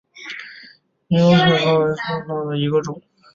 拟螺距翠雀花为毛茛科翠雀属下的一个种。